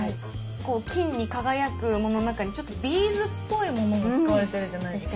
金に輝くものの中にちょっとビーズっぽいものも使われてるじゃないですか？